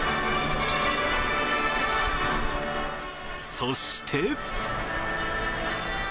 そして。